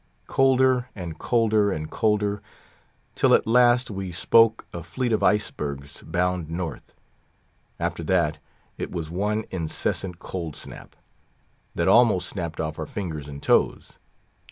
Colder, and colder, and colder, till at last we spoke a fleet of icebergs bound North. After that, it was one incessant "cold snap," that almost snapped off our fingers and toes.